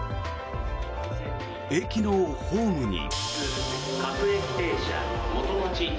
駅のホームに。